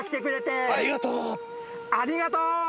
ありがとう！